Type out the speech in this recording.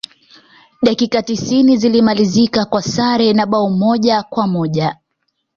dakika tisini zilimalizika kwa sare ya bao moja kwa moja